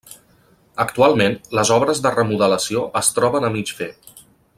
Actualment, les obres de remodelació es troben a mig fer.